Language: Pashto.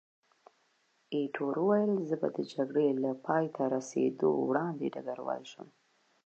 ایټور وویل، زه به د جګړې له پایته رسېدو وړاندې ډګروال شم.